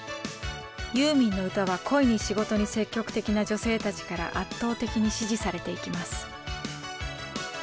ユーミンの歌は恋に仕事に積極的な女性たちから圧倒的に支持されていきます。